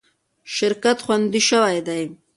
شرکت خوندي شوی دی.